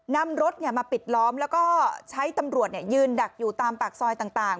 นำรถมาปิดล้อมแล้วก็ใช้ตำรวจยืนดักอยู่ตามปากซอยต่าง